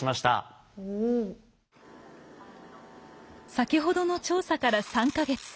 先ほどの調査から３か月。